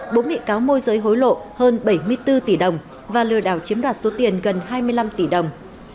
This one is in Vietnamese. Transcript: bốn bị cáo môi giới hối lộ hơn bảy mươi bốn tỷ đồng và lừa đảo chiếm đoạt số tiền gần hai mươi năm tỷ đồng